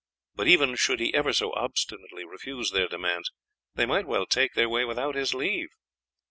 But even should he ever so obstinately refuse their demands they might well take their way without his leave.